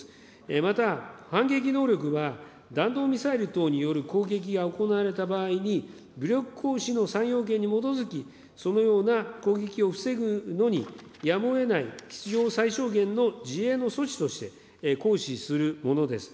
また、反撃能力は弾道ミサイル等による攻撃が行われた場合に、武力行使の３要件に基づき、そのような攻撃を防ぐのに、やむをえない必要最小限の自衛の措置として行使するものです。